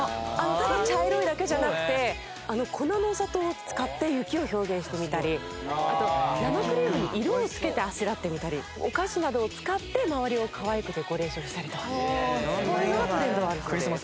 ただ茶色いだけじゃなくて粉のお砂糖を使って雪を表現してみたりあと生クリームに色を付けてあしらってみたりお菓子などを使って周りをかわいくデコレーションしたりとこういうのがトレンドに。